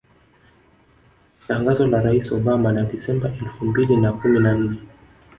Tangazo la Rais Obama la Disemba elfu mbili na kumi na nne